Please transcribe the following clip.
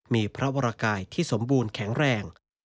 มีพระวรกายที่สมบูรณ์แข็งแรง